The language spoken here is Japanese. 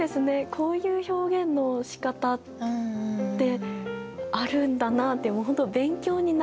こういう表現のしかたってあるんだなってもう本当勉強になる。